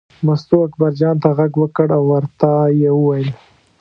مستو اکبرجان ته غږ وکړ او ورته یې وویل.